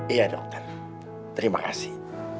iya dok terima kasih